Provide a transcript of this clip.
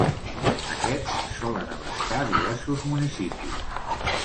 Aquests solen abastar diversos municipis.